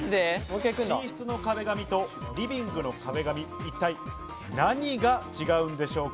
寝室の壁紙とリビングの壁紙、一体何が違うんでしょうか？